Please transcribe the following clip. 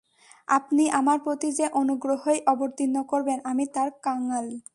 আপনি আমার প্রতি যে অনুগ্রহই অবতীর্ণ করবেন আমি তার কাঙ্গাল।